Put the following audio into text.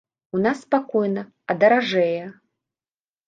У нас спакойна, а даражэе?